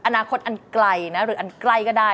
อนาคตอันไกลนะหรืออันใกล้ก็ได้